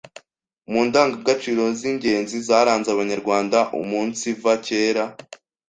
mu ndangaciro z’ingenzi zaranze Abanyarwanda umunsiva kera.